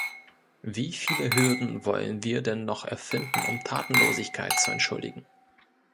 Wie viele Hürden wollen wir denn noch erfinden, um Tatenlosigkeit zu entschuldigen?